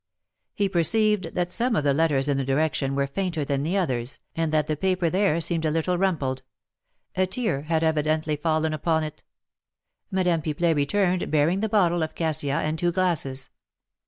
He perceived that some of the letters in the direction were fainter than the others, and that the paper there seemed a little rumpled: a tear had evidently fallen upon it. Madame Pipelet returned, bearing the bottle of cassia and two glasses.